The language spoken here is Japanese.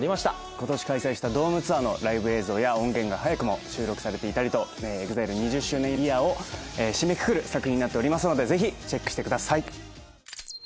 今年開催したドームツアーのライブ映像や音源が早くも収録されていたりとＥＸＩＬＥ２０周年イヤーを締めくくる作品になっておりますのでぜひチェックしてください。